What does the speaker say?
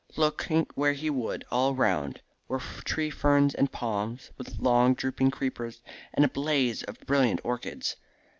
Look where he would all round were tree ferns and palms with long drooping creepers, and a blaze of brilliant orchids.